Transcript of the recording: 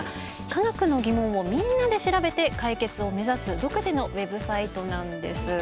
科学の疑問をみんなで調べて解決を目指す独自のウェブサイトなんです。